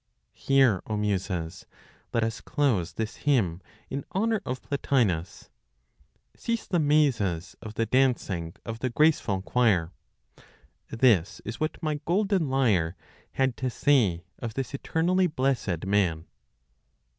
"Here, O Muses, let us close this hymn in honor of Plotinos; Cease the mazes of the dancing of the graceful choir; This is what my golden lyre had to say of this eternally blessed man!"